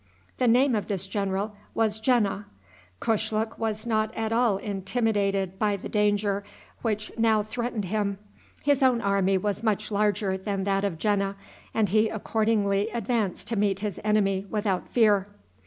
The name of this general was Jena. Kushluk was not at all intimidated by the danger which now threatened him. His own army was much larger than that of Jena, and he accordingly advanced to meet his enemy without fear.